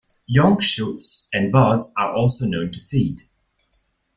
Young shoots and buds are also known to feed.